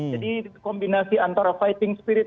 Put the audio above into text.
jadi kombinasi antara fighting spirit